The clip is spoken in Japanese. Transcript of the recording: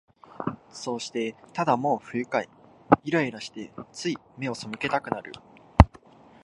そうして、ただもう不愉快、イライラして、つい眼をそむけたくなる